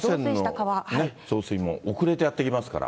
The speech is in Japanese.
河川の増水も遅れてやって来ますから。